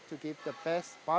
kita juga harus memberikan